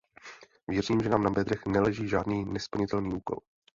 Věřím, že nám na bedrech neleží žádný nesplnitelný úkol.